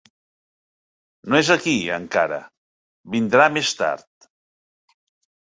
No és aquí, encara: vindrà més tard.